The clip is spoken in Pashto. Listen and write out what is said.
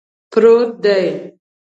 پروت دی